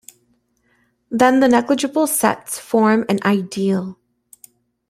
Then the negligible sets form an ideal.